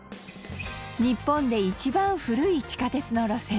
日本で一番古い地下鉄の路線